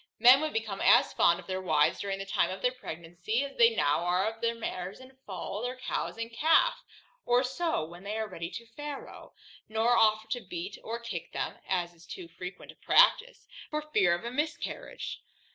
Men would become as fond of their wives, during the time of their pregnancy, as they are now of their mares in foal, their cows in calf, or sows when they are ready to farrow; nor offer to beat or kick them (as is too frequent a practice) for fear of a miscarriage.